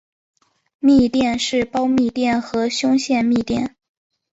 嘧啶是胞嘧啶和胸腺嘧啶。